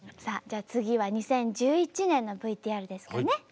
さあじゃあ次は２０１１年のＶＴＲですかね。